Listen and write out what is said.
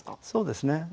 そうですね。